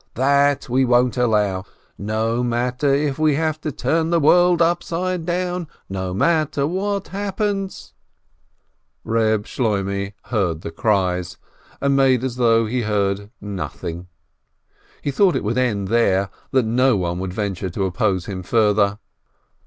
That we won't allow ! No matter if we have to turn the world upside down, no matter what happens !" Reb Shloimeh heard the cries, and made as though he heard nothing. He thought it would end there, that no one would venture to oppose him further.